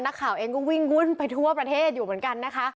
นักข่าวเองก็วิ่งวุ่นไปทั่วประเทศอยู่เหมือนกันนะคะ